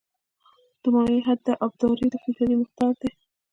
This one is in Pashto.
د مایع حد د ابدارۍ د فیصدي مقدار دی